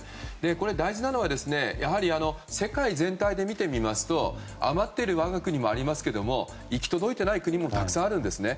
これ、大事なのはやはり世界全体で見てみますと余っている我が国もありますけども行き届いていない国もたくさんあるんですね。